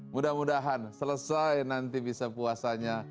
mudah mudahan selesai nanti bisa puasanya